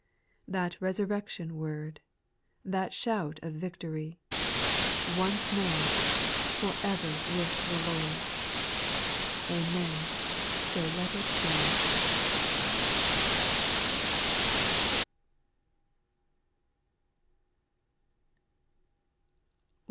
That Resurrection word, That shout of victory, Once more —" For ever with the Lord!" Amen ! so let it be.